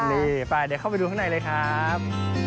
นี่ไปเดี๋ยวเข้าไปดูข้างในเลยครับ